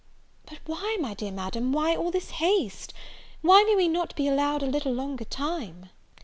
"But why, my dear Madam, why all this haste? why may we not be allowed a little longer time?"